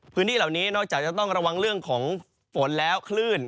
พื้นที่เหล่านี้นอกจากจะต้องระวังเรื่องของฝนแล้วคลื่น